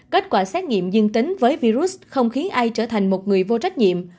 kết quả xét nghiệm dương tính với virus không khí ai trở thành một người vô trách nhiệm